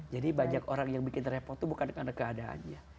jadi banyak orang yang bikin repot bukan karena keadaannya